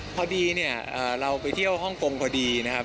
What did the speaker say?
พอดีเนี่ยเราไปเที่ยวฮ่องกงพอดีนะครับ